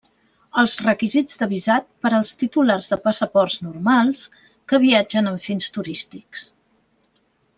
Els requisits de visat per als titulars de passaports normals que viatgen amb fins turístics.